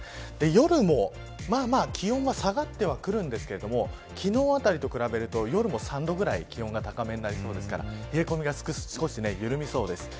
夜も、まあまあ気温は下がってはくるんですが昨日あたりと比べると夜も３度ぐらい気温が高めになりそうですから冷え込みが少し緩みそうです。